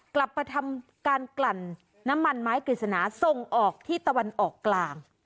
กลับมาทำการกลั่นน้ำมันไม้กฤษณาส่งออกที่ตะวันออกกลาง